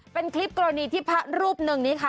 เป็นคลิปกรณีที่พระรูปหนึ่งนี้ค่ะ